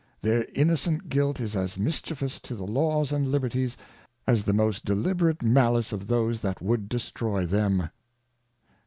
Their Innocent Guilt is as mischievous to the Laws and Liberties, as the most deliberate MaUce of those that would destroy them.